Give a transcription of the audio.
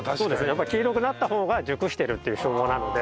やっぱり黄色くなった方が熟してるっていう証拠なので。